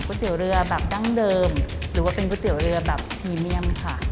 เตี๋ยวเรือแบบดั้งเดิมหรือว่าเป็นก๋วยเตี๋ยวเรือแบบพรีเมียมค่ะ